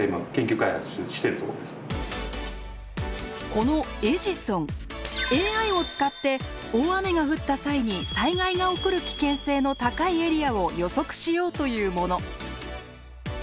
このエジソンＡＩを使って大雨が降った際に災害が起こる危険性の高いエリアを予測しようというもの。